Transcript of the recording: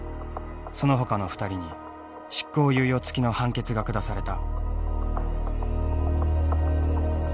そのほかの２人に執行猶予付きの判決が下された。